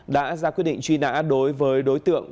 đã ra quyết định truy nã đối với đối tượng